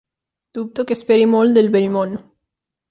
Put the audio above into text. Dubto que esperi molt del vell món.